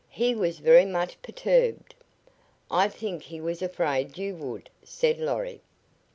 He was very much perturbed. "I think he was afraid you would," said Lorry.